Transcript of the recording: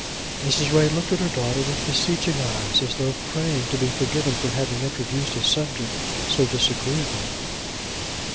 Mrs. Ray looked at her daughter with beseeching eyes, as though praying to be forgiven for having introduced a subject so disagreeable.